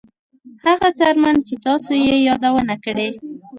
هغه څرمن چې تاسو یې یادونه کړې